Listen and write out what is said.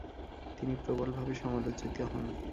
তিনি প্রবলভাবে সমালোচিত হন।